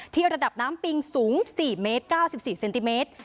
ระดับน้ำปิงสูง๔เมตร๙๔เซนติเมตร